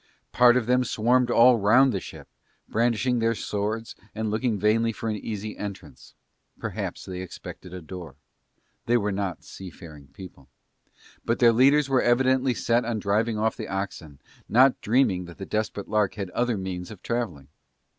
Part of them swarmed all round the ship brandishing their swords and looking vainly for an easy entrance; perhaps they expected a door, they were not sea faring people; but their leaders were evidently set on driving off the oxen not dreaming that the Desperate Lark had other means of travelling.